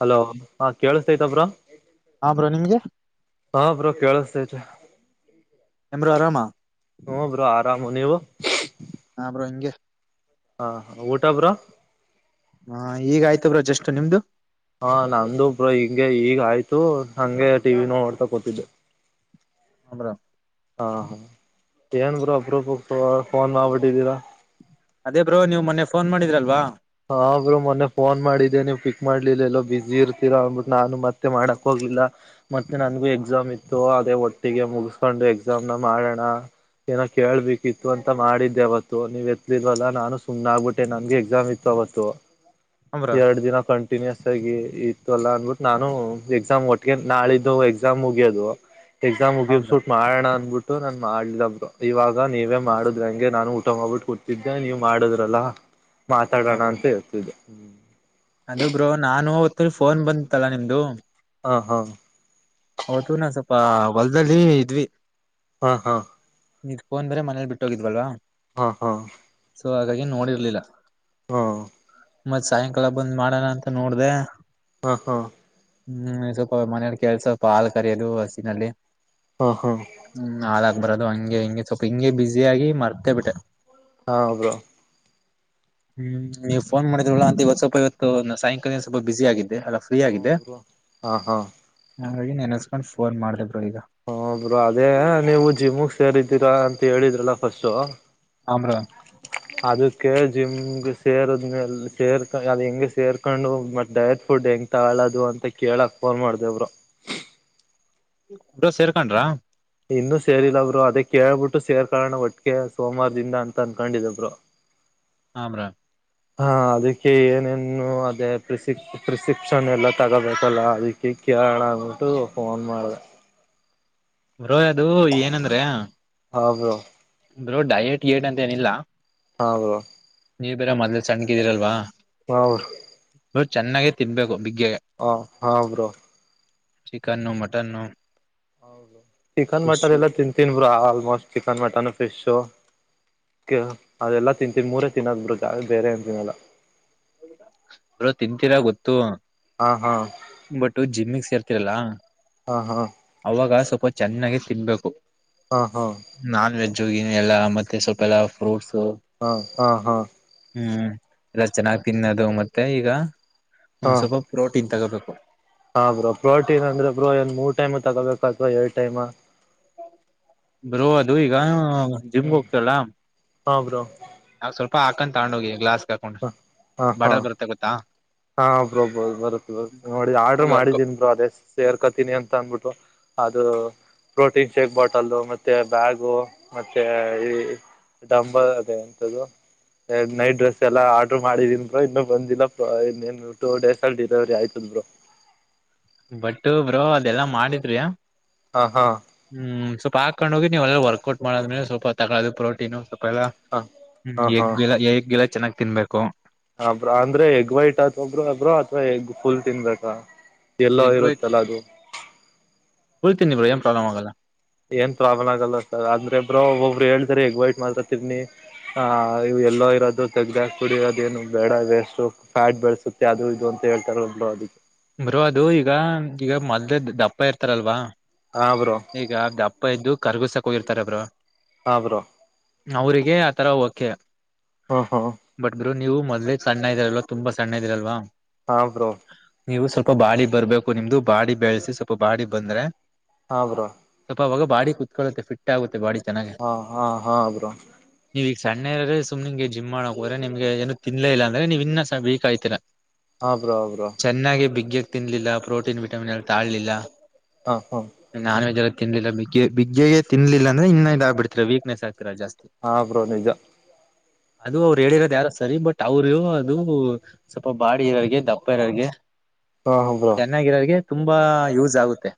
Hello ಹಾ ಕೇಳಸ್ತೈತಬ್ರ ಹಾ ಬ್ರೋ ನಿಮ್ಗೆ ಹಾ ಬ್ರೋ ಕೇಳಸ್ತೇ ಬ್ರೋ ಆರಾಮ ಹ ಬ್ರೋ ಆರಾಮು ನೀವು ಹಾ ಬ್ರೋ ಹಂಗೆ ಹಾ ಊಟ ಬ್ರೋ ಹಾ ಈಗ ಆಯ್ತ ಬ್ರೋಜ್ ಎಷ್ಟು ನಿಮ್ದು ಹಾ ನಂದು ಬ್ರೋ ಹಿಂಗೆ ಈಗ ಆಯ್ತು ನಂಗೆ ಟಿವ ನ ಓಡ್ತಾ ಕೋತಿದ್ದೆ ಹಮ್ರ ಹಾ ಹಾ ಏನ್ ಬ್ರ ಅಬ್ರೊಪ ಫೋನ್ ಮಾಡ್ಬಿಟ್ಟಿದ್ದೀರಾ ಅದೇ ಬ್ರೋ ನೀವ್ ಮೊನ್ನೆ ಫೋನ್ ಮಾಡಿದ್ರಲ್ವಾ ಹರು ಮೊನ್ನೆ ಫೋನ್ ಮಾಡಿದ್ದೆ ನೀವ್ ಪಿಕ್ ಮಾಡ್ಲಿಲ್ಲ ಎಲ್ಲೋ ಬ ಬಿಸಿ ಇರ್ತೀರಾ ಅನ್ಬಿಟ್ಟು ನಾನು ಮತ್ತೆ ಮಾಡಕ್ ಹೋಗ ಲ್ಲ ಮತ್ತೆ ನನ್ಗು ಎಕ್ಸಾಮ್ ಇತ್ತು ಅದೇ ಒಟ್ಟಿಗೆ ಮುಗಿಸಕೊಂಡು ಎಕ್ಸಾಮ್ನ ಮಾಡೋಣ ಏನೋ ಕೇಳ್ಬೇಕಿತ್ತು ಅಂತ ಮಾಡಿದ್ದೆ ಅವಾವತ್ತು ನೀವ್ ಎತ್ಲಿಲ್ವಲ್ಲಾ ನಾನು ಸುಮ್ಮ್ ಆಗ್ಬಿಟ್ಟೆ ನನ್ಗೆ ಎಕ್ಸಾಮ್ ಇತ್ತು ವತ್ತು ಹಾ ಬ್ರೋ ಎರಡು ದಿನ ಕಂ ಕಂಟಿನ್ಯೂಸ್ ಆಗಿ ಇತ್ತು ಅಲ್ಲ ಅಂದಬಿಟ್ಟು ನಾನು ಎಕ್ಸಾಮ್ ಒಟ್ಟಿಗೆ ನಾಳಿದ್ದು ಎಕ್ಸಾಮ್ ಮುಗಿಯೋದು ಎಕ್ಸಾಮ್ ಹಾ ಮುಗಿದ್ ಬ್ರೋ ಸುಟ್ ಮಾಡೋಣ ಅ್ಬಟ್ಟು ನಾನ ಮಾಡ್ಲಬ್ರು ಇವಾಗ ನೀವೇ ಮಾಡುದ್ ಹಂಗೆ ನಾನು ಊಟ ಹೋಗ್ಬಿಟ್ಟು ಕೊತಿದ್ದೆ ನೀ ಮಾಡುದ್ರಲ್ಲ [unintelligible] ತಡೋಣ ಬ್ರೋ ಅಂತ ಹೇಳ್ತಿದ್ದ ಹ್ಮ ಅದು ಬ್ರೋ ನಾನು ಹೊತ್ತು ಫೋನ್ ಬಂತತ್ತಲ್ಲಾ ನಿಮ್ದು ಹಾ ಹಾ ಹೊಲ್ದಲ್ಲಿ ಇದ್ವಿ ಹಾ ಹಾ ನಿ್ಕೋನ್ ಬ್ರ ಮನೇಲಿ ಬಿಟ್ಟ ಹೋಗಿದ್ವಲ್ವಾ ಹಾ ಹಾ ಸೊ ಹಾಗಾಗಿ ನೋಡಿರ್ಲಿಲ್ಲ ಹ್ಮ ಮತ್ ಸಾಯಂಕಾಲ ಬಂದ್ ಮಾಡೋಣ ಅಂತ ನೋಡ್ದ ಹಾ ಹಾ ಹ್ಮ್ ಸ್ವಲ್ಪ ಮನೆಯಲ್ಲಿ ಕೆಲ್ಸ ಸ್ವಲ್ಪ ಹಾ ಕರೆಯೋದು ಹಸಿನಲ್ಲಿ ಹಾ ಹಾ ಹ್ಮ ಹಾಾಲ ಬರೋದು ಹಂಗೆ ಹಿಂಗೆ ಸ್ವಲ್ಪ ಹಿಂಗೆ ಬಸ ಆಗಿ ಮರ್ತೆೇ ಬಿಟ್ಟೆ ಹಾ ಹೌಬ್ರೋ ಹ್ಮ್ ನೀವು ಫೋನ್ ಮಾಡಿದ್ರರಲ್ಲ ಅಂತ ಇವತ್ತು ಸ್ವಲ್ಪ ಇವತ್ತು ಸಾಯಂಕಾಲ ಸ್ವಲ್ಪ ಬಿಸಿಿ ಆಗನಿ ಫ್ರೀ ಆಗ ಹ್ಮ್ ಬ್ರೋ ಹಾ ಹಾ ಹಾಗ ನೆನಸ್ಕೊಂಡು ಫೋನ್ ಮಾಡ ಈ ಹ ಬ್ರರು ಅದೇ ನೀವು ಜಿಮಗ್ ಸೇರಿದ್ದೀರಾ ಅಂತ ಹೇಳಿದ್ರಲ್ಲ ಫಸ್ಟ್ ಆಮ್ರ ಅದಕ್ಕೆ ಜಿಮ್ಗೆ ಸೇರದ್ಮೇಲೆ ಸೇರ್ಕ ಅದು ಹೆಂಗ ಸೇರ್ಕೊಂಡು ಮತ್ ಡಯಟ್ ಫುಡ್ ಹೆಂಗ್ ತಗಳೋದು ಅಂತ ಕೇಳಕ್ ಫಾಲ್ ಮಾಡಿದೆಬ್ರು ಡ ಸೇರ್ಕೊಂಡ್ರಾ ಇನ್ನುೂ ಸೇರಿಲ್ಲಬ್ರು ಅದೇ ಕೇಳ್ಬಿಟ್ಟು ಸೇರ್ಕೊಳ್ಳೋಣ ಒಟ್ಟಿಗೆೆ ಸೋಮವಾರದಿಂದ ಅಂತ ಅನ್ಕೊಂಡಿದಬ್ರು. ಹಮ್ರ ಹಾ ಅದಕ್ಕೆ ಏನೇನು ಅದೇ ಪ್ರಿಸಿಪ್ ಪ್ರಿಸ್ಕ್ರಿಪ್ಷನ್ ಎಲ್ಲ ತಗೋಬೇಕಲ್ಲ ಅದಕ್ಕೆ ಕೇಳಣ ಅಂದ್ಬಿಟ್ಟು ಫೋನ್ ಮಾಡಿದೆ [inaudible] ಬ್ರಾ ಅದು ಏನಂದ್ರ ಹದು ಬ್ರಾ ಡಯೇಟ್ ಏಟ್ ಅಂತ ಏನಿಲ್ಲ ಹಾ ಬ್ರಾ ನೀವು ಬೇರ ಮೊದ್ಲೆ ಸಣ್ಣಗೆ ಇದ್ದರಲ್ವಾ ಹೌ ನ ಚೆನ್ನಾಗೇ ತಿನ್ಬೇಕು ಹ ಹಾ ಬ್ರಾ ಚಿಕನ್ ನ ಮಟನ್ ನ ಹೌದು ಚಿಕನ್ ಮಟನ್ ಎಲ್ಲಾ ತಿಂತೀನ್ಬ್ರ ಆಲ್ಮೋಸ್ಟ್ ಚಿಕನ್ ಮಟನ್ ಫಿಶು ಅದೆಲ್ಲಾ ತಿಂತೀವಿ ಮೂರೇ ತಿನ್ನದ್ ಬಿತ್ತೆ ಬೇರೆ ಏನ್ ತಿಿನಲ್ಲ ಅ ತಿಂತೀರಾ ಗೊತ್ತು ಹಾ ಹಾ ಬಟ್ ಜಿಮ್ಮಗ್ ಸೇರ್ತ ರಲ್ಲ ಹಾ ಹಾ ಅವಾಗ ಸ್ವಲ್ಪ ಚೆನ್ನಾಗ ತಿನ್ಬೇಕು ಹಾ ಹಾ ಜಗಿನ ಎಲ್ಲಾ ಮತ್ತೆ ಸ್ವಲ್ಪ ಎಲ್ಲಾ ಫ್ರೂಟ್ಸ್ ಹಾ ಹಾ ಹಾ ಹ್ಮ್ ಎಲ್ಲ ಚೆನ್ನಾಗಿ್ ತಿನ್ನೋದು ಮತ್ತೆ ಈಗ ಹಾ ಸ್ವಲ್ಪ ಪ್ರೋಟೀನ್ ತಗೋಬೇಕು ಹಾ ಬ್ರೋ ಪ್ರೋಟೀನ್ ಅಂದ್ರೆ ಬ್ರೋ ಏನ್ ಮೂರ್ ಟೈಮ್ ತಗೋಬೇಕ ಅಥವಾ ಏಳ್ ಟೈಮ್ ರೋವ ದುಯ ಕಾಯ ಹ್ಮ್ ಜಿಮಬೋಕ್ ಚಲ್ಲ ಆಮ ಹಾ ಬ್ರಾ ನಾವ್ ಸ್ವಲ್ಪ ಹಾಕೊಂಡ ತಗೊಂಡು ಹೋಗಿ ಗ್ಲಾಸ್ಗೆ ಹಾಕೊಂಡು ಹ ಹಾ ಹಾ ಬಟರ್ ಬರುತ್ತೆ ಗೊತ್ತಾ ಹಾ ಬ್ರೋ ಬ್ರೋ ಬರುತ್ ಬರು ನೋಡಿ ಅವ ಆರ್ಡರ್ ವರ್ಕ್ ಮಾಡಿದೀನ್ ಬ್ರೋ ಅದೇ ಸೇರ್ಕತೀನಿ ಅಂತ ಅನ್ಬಿಟ್ಟು ಅದು ಪ್ರೋಟೀನ್ ಚೇಕ್ ಬಾಟಲ್ ಮತ್ತೆ ಬ್ಯಾಗು ಮತ್ತೆ ಈ ಡಂಬ ಅದ ಎಂತ್ದು ನೈಟ್ ಡ್ರೆಸ್ ಎಲ್ಲ ಆರ್ಡ್ರ್ ಮಾಡಿದೀನ್ಿ ಇನ್ನುೂ ಬಂದಿಲ್ಲ ಇನ್ನನು ಟೂ ಡೇಸ್ ಅಲ್ಲಿ ಡಿಲವರಿ ಆಯ್ತದ ಬ್ರರು ಬಟ್ ಬ್ರೋ ಅದೆಲ್ಲಾ ಮಾಡಿದ್ರಿ ಹಾ ಹಾ ಹ್ಮ್ ಸ್ವಲ್ಪ ಹಾಕೊಂಡ್ ಹೋಗಿ ನೀವುಲ್ಲ ವರ್ಕೌಟ್ ಮಾಡಿದ್ಮೇಲೆ ಸ್ವಪ ತಗೋದು ಪ್ರೋಟೀನು ಲ್ಲ ಹಾ ಹಾ ಹ್ಮಗ್ ಗಿ ಎಗ್ ಗಿಲ ಚೆನ್ನಾಗ್ ತಿನ್ಬೇಕು ಹಬ್ರ ಅಂದ್ರೆ ಎಗ್ ವೈಟ್ ಅಥ ಒಬ್್ರ ಅಬ್ರ ಅಥವಾ ಎಗ್ ಫುಲ್ ತಿನ್ಬೇಕಾ ಎಲ್ಲ ಎಗ್ ಇರುತ್ತಲ್ಲ ಅದು ಉಳ್ಿತೀನಿ್ರ ಏ ಪ್ರಾಬ್ಲ್ ಆಗಲ್ಲ ಏನ್ ಪ್ರಾಬ್ಲಮ್ ಆಗಲ್ಲ ಸರ್ ಅಂದ್ರೆಬ್ಬ್ರ ಒಬ್ರು ಹೇಳ್ದ್ರ ಈಗ್ ಬಯಟ್ ಮಾತ್ರ ತಿರ್ನಿ ಆ ಎಲ್ಲೋ ಇರೋದು ತೆಗ್ದ ಕುಡಿರೋದ ೇನು ಬೇಡ ವೇಸ್ಟ್ು ಫ್ಯಾಟ್ ಬೆಳಸುತ್ತೆ ಅದು ಇದು ಅಂತ ಹೇಳ್ತಾರೆ ಒಬ್ರು ಅದಕ್ಕೆ ಬರು ಅದು ಈಗ ಈಗ ಮದ್ೆ ದಪ್ಪ ಇರ್ತಾರಲ್ವಾ ಹಾ ಬ್ರೋ ಈಗ ಅಪ್ಪ ಇದ್ದು ಕರ್ಗುಸಕ ಹೋಗಿರ್ತಾರಬ್ರು ಆಬ್ರೋ ಅವ್ರಿಗೆ ಆತರ ಓಕೆ ಹಾ ಹಾ ಬಟ್ ನೀವು ಮೊದ್ಲೇ ಸಣ್ಣ ಇದ್ದರಲ್ವ ತುಂಬಾ ಸಣ್ಣ ಇದ್ದಿರಲ್ವಾ ಹಾ ಬ್ರೋ ನೀವು ಸ್ವಲ್ಪ ಬಾಡಿ ಬರ್ಬೇಕು ನಿಮ್ದು ಬಾಡಿ ಬೆಳೆಸಿ ಸ್ವಲ್ಪ ಬಾಡಿ ಬಂದ್ರೆ ಹಾ ಬ್ರೋ ಸ್ವಲ್ಪ ಅವಾಗ ಬಾಡಿ ಕತ್ಕೊಳ್ಳುತ್ತೆ ಫಿಟ್ ಆಗುತ್ತೆ ಬಾಡಿ ಚೆನ್ನಾಗಿ ಹಾ ಹಾ ಹಾ ಬ್ರೋ ನೀವ ಈಗ ಸಣ್ಣರ ಸುಮ್ ನಿಂಗೆ ಜಿಮ್ ಮಾಡಕೋದ್ರೆ ನಿಮ್ಗೆ ಏನು ತಿನ್ಲ ಇಲ್ಲ ಅಂದ್ರೆ ನೀವ್ ಇನ್ನ ವೀಕ್ ಆಗ್ತೀರಾ ಹಾ ಬ್ರೋ ಬ್ರೋ ಚೆನ್ನಾಗಿ ಬಿಗಕ್ ತಿನ್ಲಿಲ್ಲ ಪ್ರೋಟೀನ್ ವಿಟಮಿನ್ ತಗೊಂಡಿಲ್ಲ ಹಾ ಹಾ ನಾನ್ ವಜ್ ತಿನ್ಲಿಲ್ಲ ಬಿಗ್ಗೆ ಬಿಗ್ಗೆ ತಿನ್ನಲ್ಲಿಲ ಅಂದ್ರೆ ಇನ್ನ ಇದ ಆಗ್ಬಡ್ತೀರ ವೀಕ್ನೆಸ್ ಆಗ್ ಹಾ ಬ್ರೋ ನಿಜ ಅದು ಅವ್ರು ಹೇಳಿರೋದು ಯಾರೋ ಸರಿ ಬಟ್ ಅವರು ಅದು ಸ್ವಲ್ಪ ಬಾಡಿ ಇರೋರ್ಗೆ ದಪ್ಪ ಇರೋರ್ಗೆ ಹಾ ಬ್ರೋ ಚೆನ್ನಾಗಿರೋರಿಗೆ ತುಂಬಾ ಯೂಸ್ ಆಗುತ್ತೆ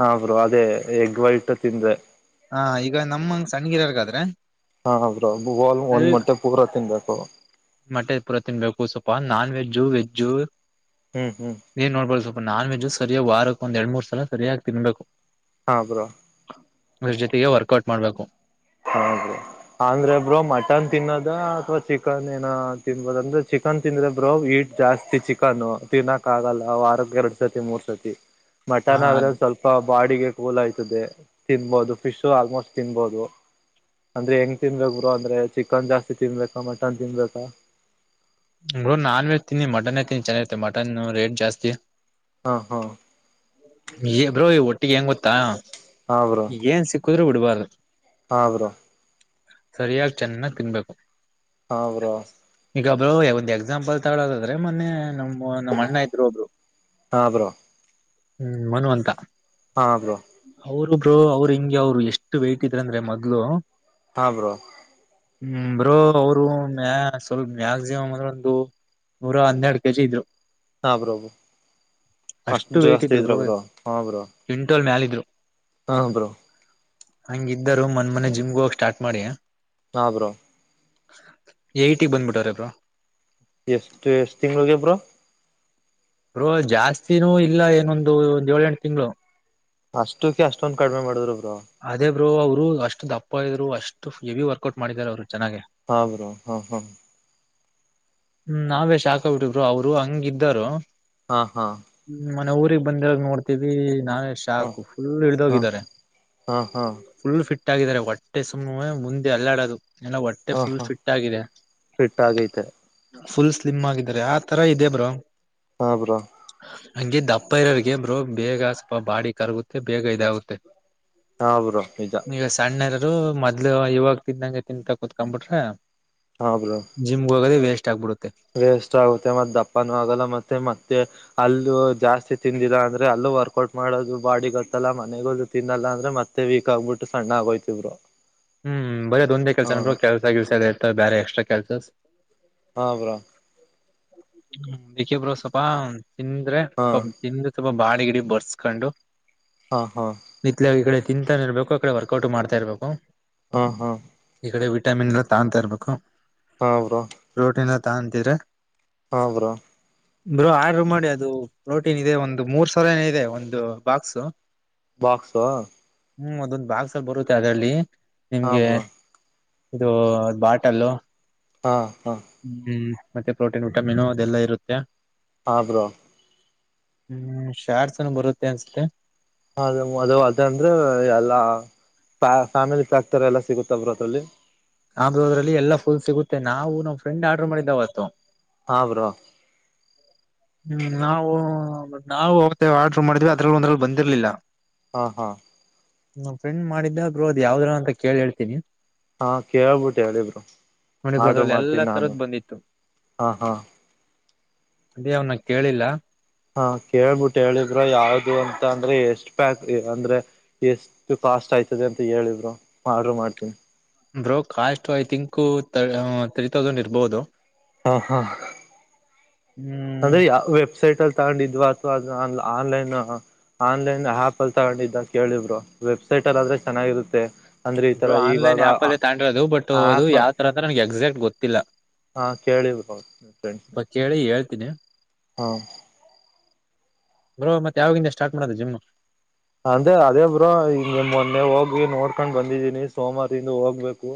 ಹಾ ಬ್ರೋ ಅದೇ ಎಗ್ ವೈಟ್ ಇಟ್ಟು ತಿಂದ್ರೆ ಹಾ ಈಗ ನಮ್ಮಂಗ ಸಣ್ಣಗಿರಾರ್ಗಾದ್ರೆ ಹಾ ಹಾ ಬ್ರೋ [unintelligible] ಒಂದ್ ಮಟ್ಟೆ ಪೂರ ತಿನ್ಬೇಕು ಮಟ್ಟೆ ಪೂರ ತಿನ್ಬೇಕು ಸ್ವಪ ನಾನ್ ವೆಜ್ಜು ವೆಜ್ಜು ಹ್ಮ್ ಹ್ಮ್ [inaudible] ಏನ್ ನೋಡ್ಬೋದುಪ ನಾನ್ ವೆಜ್ ಸರಿಯ ವಾರಕ್ ಒಂದ ಎರಡ್ ಮೂರ್ ಸಲ ಸರಿಯಾಗಿ ತಿನ್ಬೇಕು ಹಾ ಬ್ರೋ ಅವರ ಜೊತೆಗೆ ವರ್ಕೌಟ್ ಮಾಡ್ಬೇಕು ಹಾಗೆ ಅಂದ್ರೆ ಬ್ರೋ ಮಟನ್ ತಿನ್ನೋದ ಅಥ್ವಾ ಚಿಕನ್ ಏನ ತಿನ್ಬೋದ ಅಂದ್ರೆ ಚಿಕನ್ ತಿಂದ್ರೆ ಬ್ರೋ ವೀಟ್ ಜಾಸ್ತಿ ಚಿಕನು ತಿನ್ನಕ್ ಆಗಲ್ಲ ಆರೋಗ್ಯ ಎರಡು ಸತಿ ಮೂರ್ ಸತಿ ಹ ಮಟನ್ ಆದ್ರೆ ಸ್ವಲ್ಪ ಬಾಡಿಗೆ ಕೂಲ್ ಆಯ್ತದೆ ತಿನ್ಬಹುದು ಫಿಶು ಆಲ್ಮೋಸ್ಟ್ ತಿನ್ಬಹುದು ಅಂದ್ರೆ ಹೆಂಗ್ ತಿನ್ಬೇಕು ಬ್ರೋ ಅಂದ್ರೆ ಚಿಕನ್ ಜಾಸ್ತಿ ತಿನ್ಬೇಕಾ ಮಟನ್ ತಿನ್ಬೇಕಾ ಬ್ರೋ ನಾನ್ ವೆಜ್ ತಿನ್ನಿ ಮಟನ್ ತಿನ್ನಿ ಚೆನ್ನಾಗೈತೆ ಮಟನ್ ರೇಟ್ ಜಾಸ್ತಿ ಹಾ ಹಾ ಬ್ರೋ ಒಟ್ಟಿಗೆ ಹೆಂಗ್ ಗೊತ್ತಾ ಹಾ ಬ್ರೋ [inaudible] ಏನ್ ಸಿಕ್ಕುದ್ರೂ ಬಿಡ್ಬಾರ್ದು ಹಾ ಬ್ರೋ ಸರಿಯಾಗಿ ಚೆನ್ನಾಗ್ ತಿನ್ಬೇಕು ಹಾ ಬ್ರೋ ಒಂದ ಎಕ್ಸಾಂಪಲ್ ತಗೊಳದಾದ್ರೆ ಮೊನ್ನೆ ನಮ್ಮ ಅಣ್ಣ ಇದ್ರು ಒಬ್ರು [inaudible] ಹಾ ಬ್ರೋ ಹ್ಮ್ ಮನು ಅಂತ ಹಾ ಬ್ರೋ ಅವರು ಬ್ರೋ ಅವರು ಹಿಂಗೆ ಅವ್ರು ಎಷ್ಟು ವೇಟ್ ಇದ್ರಂದ್ರೆ ಮೊದ್ಲು ಹಾ ಬ್ರೋ ಹ್ಮ್ ಬ್ರೋ ಅವರು ಸ್ವಲ್ಪ ಮ್ಯಾಕ್ಸಿಮಮ ಅಂದ್ರೆ ಒಂದು ನೂರ ಹ್ಮ್ ಹನ್ನೆರಡು ಕೆಜಿ ಇದ್ರು ಹಾ ಬ್ರೋ ಅಷ್ಟು ವೇಟ್ ಜಾಸ್ತಿ ಇದ್ರರು ಇದ್ರ ಬ್ರೋ ಹಾ ಬ್ರೋ [inaudible] ಕ್ವಿಂಟಲ್ ಮ್ಯಾಲ ಹಾ ಬ್ರೋ ಹಂಗೆ ಇದ್ದರು ಮನ್ ಮನೆ ಜಿಮ್ಗೆ ಹೋಗಿ ಸ್ಟಾರ್ಟ್ ಮಾಡಿ ಹಾ ಬ್ರೋ ಏಟಿಗೆ ಬಂದ್ಬಿಟ್ಟವ್ರೆ ಬ್ರೋ ಎಷ್ಟು ಎಷ್ಟ್ ತಿಂಗಳಿಗೆ ಬ್ರೋ ಬ್ರೋ ಜಾಸ್ತಿನೂ ಇಲ್ಲ ಏನೊಂದು ಒಂದ್ ಏಳು ಎಂಟು ತಿಂಗಳು ಅಷ್ಟಕ್ಕೆ ಅಷ್ಟೊಂದ್ ಕಡಿಮೆ ಮಾಡುದ್ರು ಬ್ರೋ ಅದೇ ಬ್ರೋ ಅವರು ಅಷ್ಟು ದಪ್ಪ ಇದ್ರು ಅಷ್ಟು ಹೆವಿ ವರ್ಕೌಟ್ ಮಾಡಿದಿದ್ದಾರೆ ಅವ್ರು ಚೆನ್ನಾಗ ಹಾ ಬ್ರೋ ಹಾ ಹಾ ಹ್ಮ್ ನಾವೇ ಶಾಖ ಆಗ್ಬಿಟ್ಟಿದರು ಅವರು ಹಂಗಿದ್ದರು ಹಾ ಹಾ ಮನೆ ಊಗ್ ಬಂದಾಗ ನೋಡ್ತೀವಿ ನಾನೇ ಹಾ ಶಾಕ್ು ಫುಲ್ ಹಿಡ್ದೋಗಿದಿದ್ದಾರೆ ಹಾಂ ಇಟ್ಟಾಗಿದ್ದಾರೆ ಹೊಟ್ಟೆ ಸುಮ ಮುಂದೆ ಅಲ್ಲಾಡೋದು ಎಲ್ಲ ಹೊಟ್ಟೆ ಹಾ ಹಾ ಫುಲ್ ಹಾ ಫಿಟ್ ಆಗಿದೆ ಫಿಟ್ ಆಗೈತೆ ಫುಲ್ ಸ್ಲಿಮ್ ಆಗಿದಿದ್ದಾರೆ ಆ ತರ ಇದೆೇ ಬ್ರೋ ಹಾ ಬ್ರಾ ಹಂಗಿದ್ದ ಅಪ್ಪ ಇರೋರ್ ಗೇಮರು ಬೇಗ ಸ್ವಲ್ಪ ಬಾಡಿ ಕರಗುತ್ತೆ ಬೇಗ ಇದಾಗುತ್ತೆ ಹಾ ಬ್ರೋ ಈಜ ಈಗ ಸಣ್ಣರರು ಮೊದ್ಲು ಇವಾಗ ತಿಿಂದಂ ತಿಂತಂತಾ ಕೂತ್ಕೊಂಡ್ಬಿಟ್ರ ಹಾ ಬ್ರೋ ಜಿಮ್ಗೆ ಹೋಗೋದ ವೇಸ್ ವೇಸ್ಟ್ ಆಗುತ್ತೆ ಮತ್ತೆ ದಪ್ಪನೂ ಆಗಲ್ಲ ಮತ್ತೆ ಮತ್ತೆ ಅಲ್ಲ ಜಾಸ್ತಿ ತಿಂದಿಲ್ಲ ಅಂದರೆ ಅಲ್ಲೂ ವರ್ಕೌಟ್ ಮಾಡೋದು ಬಾಡಿ ಗೊತ್ತಲ್ಲ ಮನೆಗ ತಿನ್ನಲ್ಲ ಅಂದರೆ ಮತ್ತೆ ವೀಕ್ ಆಗಿಬಿಟ್ಟು ಸಣ್ಣ ಆಗೋಯ್ತವ್ರು ಹ್ಮ್ ಬರೇದೊಂದೇ ಕೆಲ್ಸ ಕೆಲ್ಸಲ್ಸ ಇತ ಬೇರೆ ಎಕ್ಸ್ಟ್ರಾ ಕೆಲ್ಸಸ್ ಹಾ ಬ್ರಾ ಹ್ಮ ದಿಕಿಬರು ಸ್ವಲ್ಪ ತಿಂದ್ರೆ ಹಾ ಸ್ವ ಚಿಂದ್ರ ಸ್ವಲ್ಪ ಬಾಡಿ ಗಿಡ ಬರ್ಸ್ಕೊಂಡು ಹಾ ಹಾ ನಿತ್ಲ ಈ ಕಡೆ ತಿಂತಾನ ಇರ್ಬೇಕು ಆ ಕಡೆ ವರ್ಕೌಟ್ ಮಾಡ್ತಾ ಇರ್ಬೇಕು ಹಾ ಹಾ ಈ ಕಡೆ ವಿಟಾಮಿನ್ ಎಲ್ಲ ತಗೊತಾ ಇರಬೇಕು ಹಾ ಬ್ರೋ ತಂತೀರ ಹಾ ಬ್ರೋ ಬ್ರ ಆರ್ಡ್ರ ಮಾಡಿ ಅದು ಪ್ರೋಟೀನ್ ಇದೆ ಒಂದು ಮೂರ್ ಸಾವಿರ ಏನ ಇದೆ ಒಂದು ಬಾಕ್ಸ್ ಬಾಕ್ಸ್ವಾ ಹ್ಮ್ ಅದೊಂದ್ ಬಾಗಸಲ್ ಬರುತ್ತೆ ಅದರಲ್ಲಿ ಹಾ ನಿಮ್ಗೆ ಬ್ರೋ ಇದು ಬಾಟಲ್ಲು ಹಾ ಹಾ ಹ್ಮ್ ಮತ್ತೆ ಪ್ರೋಟೀನ್ ವಿಟಮಿನ್ ಅದೆಲ್ಲ ಇರುತ್ತೆ ಹಾಬ್ರೋ ಹ್ಮ್ ಶಾರ್ಸನ ಬರುತ್ತೆ ಅನ್ಸುತ್ತೆ ಅದ ಅದ ಅದ ಅಂದ್ರೆ ಎಲ್ಲಾ ಫ್ಯಾಮಿಲಿ ಚಾಕ್ತಾರೆ ಎಲ್ಲಾ ಸಿಗುತ್ತ ಬ್ರ ಅತಲ್ಲಿ ನಮೋದ್ರಲ್ಲಿ ಎಲ್ಲ ಫುಲ್ ಸಿಗುತ್ತೆ ನಾವು ನಾವ್ ಫ್ರೆಂಡ್ ಆರ್ಡರ್ ಮಾಡಿದಾವತ್ತು ಹಾ ಬ್ರೋ ಹ್ಮ್ ನಾವು ನಾವು ಅವತ್ತ ಆರ್ಡ್ರ ಮಾಡಿದ್ವಿ ಅದ್ರಲ್ಲಿ ಒಂದ್ರಲ್ಲಿ ಬಂದಿರ್ಲಿಲ್ಲ ಹಾ ಹಾ ನಮ್ಮ ಫ್ರೆಂಡ್ ಮಾಡಿದ್ದ ಬ್ರೋ ಅದು ಯಾವ್ದ್ರಗ ಅಂತ ಕೇಳ್ ಹೇಳ್ತೀನಿ ಹಾ ಕೇಳ್ಬಿಟ್ಟ ಹೇಳಿ ಬ್ರೋ ನೋಡಿ ಬ್ರೋ ಆರ್ಡರು ಅದ್ರಲ್ಲಿ ಎಲ್ಲಾ ಮಾಡ್ತೀನಿ ನಾನು ತರದ್ ಬಂದಿತ್ತು ಹಾ ಹಾ ಅದೇ ಅವನ ಕೇಳಿಲ್ಲ ಹಾ ಕೇಳ್ಬಿಟ್ಟ ಹೇಳಿ ಬ್ರೋ ಯಾವ್ದು ಅಂತ ಅಂದ್ರೆ ಎಷ್ಟ್ ಪ್ಯಾಕ್ ಅಂದ್ರೆ ಎಷ್ಟು ಕಾಸ್ಟ್ ಆಯ್ತದೆ ಅಂತ ಹೇಳಿ ಬ್ರೋ ಆರ್ಡ್ರ ಮಾಡ್ತೀನಿ bro cost I think three thousand ಇರ್ಬಹುದು ಹಾ ಹಾ ಹ್ಮ್ ಅಂದ್ರೆ ಯಾವ ವೆಬ್ಸೈಟ್ ಅಲ್ಲಿ ತಗೊಂಡಿದ್ವಾ ಅಥವಾ ಆನ ಆನ್ಲೈನ್ ಆನ್ಲೈನ್ ಆ್ಯಪ್ ಅಲ್ಲಿ ತಗೊಂಡಿದ್ದ ಕೇಳಿ ಬ್ರೋ ವೆಬ್ಸೈಟ್ ಅಲ್ಲ ಆದ್ರೆ ಚೆನ್ನಾಗಿರುತ್ತೆ ಅಂದ್ರೆ ಈ ಬ್ರೊ ತರ ಆನ್ಲೈನ್ ಇವಾಗ ಆ್ಯಪ್ ಅಲ್ಲೇ ತಗಂಡಿರೋದು ಬಟ್ ಅದು ಆಪ್ ಯಾವ್ತರ ಅಂತ ನನ್ಗ ಎಕ್ಸಾಕ್ಟ್ ಗೊತ್ತಿಲ್ಲ ಹಾ ಕೇಳಿ ಬ್ರೋ ತ್ತಿನಿ ಹ್ಮ ಬ್ರೋ ಮತ್ತ ಯಾವಗಿಂದ ಸ್ಟಾರ್ಟ್ ಮಾಡೋದು ಜಿಮ್ ಅಂದ್ರೆ ಅದೇ ಬ್ರೋ ಈಗ ನಮೊನ್ನೆ ಹೋಗಿ ನೋಡ್ಕೊಂಡ್ ಬಂದ ನಿ ಸೋಮವಾರಿಂದ ಹೋಗ್ಬೇಕು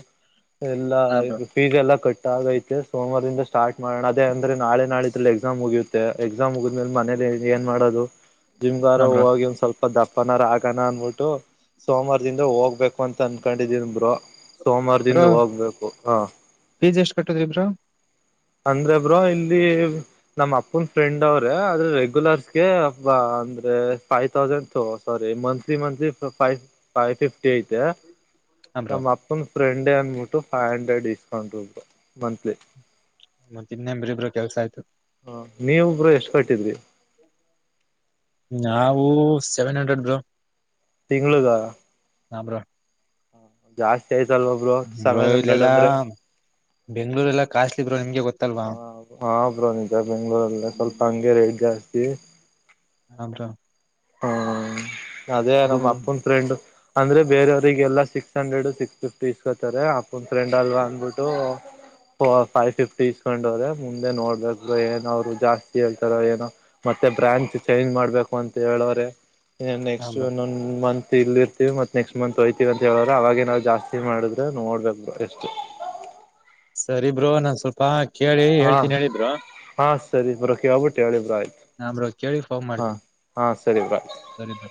ಎಲ್ಲಾ ಹಾ ಬ್ರೋ ಫೀಸ್ ಎಲ್ಲಾ ಕಟ್ಟ ಆಗೈತಿ ಸೋಮವಾರಿಂದ ಸ್ಟಾಟ ಮಾಡಣ ಅದ ಅಂದ್ರೆ ನಾಳ ನಾಡಿದರಲ್ಲಿ ಎಕ್ಸಾಮ್ ಮುಗಿಯುತ್ತೆ ಎಕ್ಸಾಮ್ ಮುಗದ್ಮೇಲೆ ಮನೇಲಿ ಏನ್ ಮಾಡೋದು ಜಿಮ್ಗಾರ ಹಾ ಬ್ರೋ ಹೋಗಿ ಒಂದ ಸ್ವಲ್ಪ ದಪ್ಪನರಾಗನ ಅನ್ಬಿಟ್ಟು ಸೋಮವಾರದಿಂದ ಹೋಗ್ಬೇಕು ಅಂತ ಅನ್ಕೊಂಡಿದೀನ್ ಬ್ರೋ ಬ್ರೋ ಸೋಮಾರದಿಂದ ಹೋಗ್ಬೇಕು ಹಾ ಫೀಸ್ ಎಷ್ಟ್ ಕಟ್ಟುದ್ರಿ ಬ್ರೋ ಅಂದ್ರೆ ಬ್ರೋ ಇಲ್ಲಿ ನಮ್ಮ್ ಅಪ್ಪನ್ ಫ್ರೆಂಡ್ ಅವ್ರೆ ಆದ್ರೆ ರೆಗ್ಯುಲರ್ಸ್ಗೆಬ್ಬ ಅಂದ್ರೆ five thousand sorry monthly monthly five five fifty ಐತೆ ಹಾ ಬ್ರೋ ನಮ್ಮ ಅಪ್ಪನ ಫ್ರೆಂಡೇ ಅನ್ಬಿಟ್ಟು ಫೈವ್ ಹಂಡ್ರೆಡ್ ಇಸ್ಕಂಡ್ರು ಬ್ರೋ ಮಂತ್ಲಿ ಮತ್ತ ಇನ್ನೆನ್ನ ಬಿಡಿ ಬ್ರೊ ಕೆಲಸ ಆಯ್ತು ಹ ನೀವು ಬ್ರೋ ಎಷ್ಟ ಕಟ್ಟಿದ್ರಿ ನಾವು ಸೆವೆನ್ ಹಂಡ್ರೆಡ್ ಬ್ರೊ ತಿಂಗಳಗ ಹಾ ಬ್ರೋ ಜಾಸ್ತಿ ಆಯ್ತಲ್ವ ಬ್ರೋ ಬ್ರೊ ಸೆವೆನ್ ಹಂಡ್ರೆಡ್ ಇಲ್ಲೆಲ್ಲ ಅಂದ್ರೆ ಬೆಂಗಳೂರು ಎಲ್ಲ ಕಾಸ ಹ ಹಾ ಬ್ರೋ ಬೆಂಗ್ಗಳೂರಲ್ಲ ಸ್ವಲ್ಪ ಹಂಗೆ ರೇಟ್ ಜಾಸ್ತಿ ಹ ಬ್ರೋ ಹ್ಮ್ ಅದೇ ಇದು ನಮ್ಮ ಬ್ರೋ ಅಪ್ಪನ್ ಫ್ರೆಂಡು ಅಂದ್ರೆ ಬೇರೆಯವ್ರರಿಗೆಲ್ಲಾ ಸಿಕ್ಸ್ ಹಂಡ್ರೆಡ್ ಸಿಕ್ಸ್ ಫಿಫ್ಟಿ ಇಸ್ಕೊತಾರೆ ಅಪ್ಪನ ಫ್ರೆಂಡ್ ಅಲ್ವಾ ಅಂದ್ಬಿಟ್ಟು ಫೈವ್ ಫಿಫ್ಟಿ ಇಸ್ಕೊಂಡೋರೆ ಮುಂದೆ ನೋಡ್ಬೇಕು ಏನ ಅವ್ರು ಜಾಸ್ತಿ ಹೇಳ್ತಾರ ಏನೋ ಮ ಮತ್ತೆ ಬ್ರ್ಯಾಂಚ್ ಚೇಂಜ್ ಮಾಡ್ಬೇಕು ಅಂತ ಹೇಳವ್ರೆ ಹಾ ನೆಕ್ಸ್ಟ್ ಬ್ರೋ ಇನ್ನೊಂದ ಮಂತ್ ಇಲ್ ಇರ್ತೀವಿ ಮತ್ ನೆಕ್ಸ್ಟ್ ಮಂತ್ ಹೊಯ್ತೀವಿ ಅಂತ ಹೇಳವ್ರೆ ಅವಾಗೆ ನಾವು ಜಾಸ್ತಿ ಮಾಡಿದ್ರೆ ನೋಡ್ಬೇಕ ಎಷ್ಟು [inaudible] ಸರಿ ಬ್ರೋ ನಾನ್ ಸ್ವಲ್ಪ ಕೇಳಿ ಹಾ ಹೇಳ್ತೀನಿ ಹೇಳಿ ಬ್ರೋ ಹಾ ಸರಿ ಬ್ರೋ ಕೇಳಿ ಬಿಟ್ಟು ಹೇಳಿ ಬ್ರೋ ಆತ ಹಾ ಬ್ರೋ ಕೇಳಿ ಫೋನ್ ಹಾ ಮಾಡ್ತೀನಿ ಹಾ ಸರಿ ಬ್ರೋ ಸರಿ ಬ್ರೋ